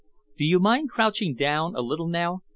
Do you mind crouching down a little now?